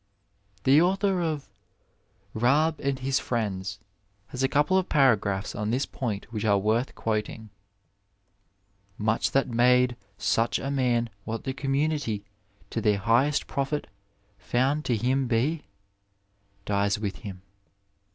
The author of 22a& and His Friends has a couple of paragraphs on this point which are worth quoting: ' Much that made such a man what the conmiunity, to their highest profit, found to him be, dies with him.